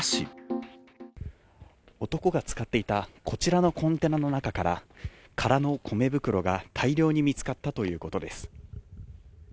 男が使っていたこちらのコンテナの中から、空の米袋が大量に見つかったということです。